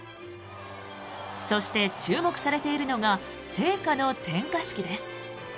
そして、注目されているのが聖火の点火式です。